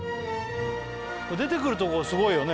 出てくるとこすごいよね